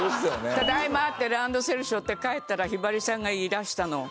「ただいま」ってランドセル背負って帰ったらひばりさんがいらしたの。